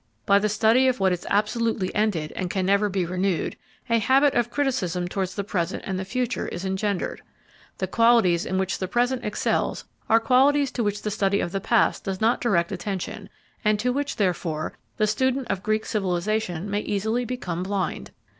By the study of what is absolutely ended and can never be renewed, a habit of criticism towards the present and the future is engendered. The qualities in which the present excels are qualities to which the study of the past does not direct attention, and to which, therefore, the student of Greek civilisation may easily become blind.